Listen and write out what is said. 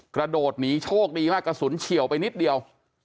กระโดดหนีโชคดีมากกระสุนเฉียวไปนิดเดียว